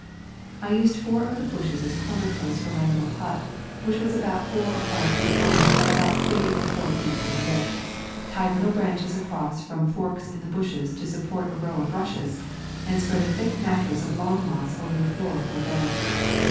I used four of the bushes as corner posts for [ 76 ] Camping among the Tombs my little hut, which was about four or five feet long by about three or four in width, tied little branches across from forks in the bushes to support a roof of rushes, and spread a thick mattress of Long Moss over the floor for a bed.